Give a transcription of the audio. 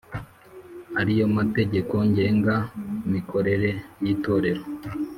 ariyo mategeko ngenga mikorere y Itorero